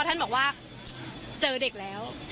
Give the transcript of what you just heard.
ท่านบอกว่าเจอเด็กแล้ว